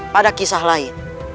pada kisah lain